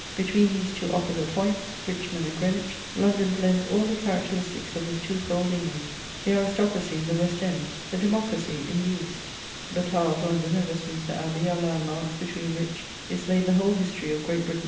Between these two opposite points, Richmond and Greenwich, London blends all the characteristics of this two fold England: the aristocracy in the West End, the democracy in the East; the Tower of London and Westminster Abbey are landmarks between which is laid the whole history of Great Britain.